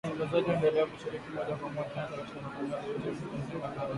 Wasikilizaji waendelea kushiriki moja kwa moja hasa katika matangazo yetu ya kupitia Barazani’ na